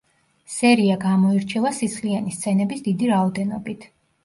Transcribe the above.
სერია გამოირჩევა სისხლიანი სცენების დიდი რაოდენობით.